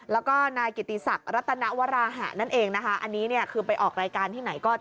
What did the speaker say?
แล้วก็นายกิตีศักดิ์รัตนวราหะนั่นเองอันนี้ไปออกรายการที่ไหน